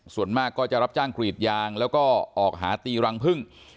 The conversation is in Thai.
ส่วนมากก็จะรับจ้างกรีดยางแล้วก็ออกหาตีรังพึ่ง